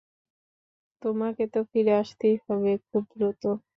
তোমাকে তো ফিরে আসতেই হবে, খুব দ্রুত।